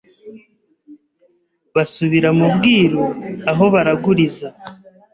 Basubira mu bwiru aho baraguriza